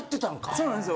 そうなんですよ。